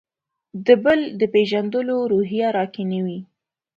د «بل» د پېژندلو روحیه راکې نه وي.